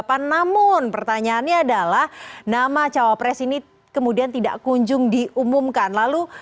namun pertanyaannya adalah nama cawapres ini kemudian tidak kunjung diumumkan lalu